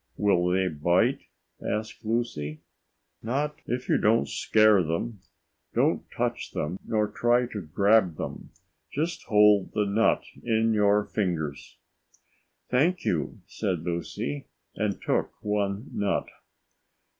"Will they bite?" asked Lucy. "Not if you don't scare them. Don't touch them nor try to grab them, but just hold the nut in your fingers." "Thank you," said Lucy and took one nut.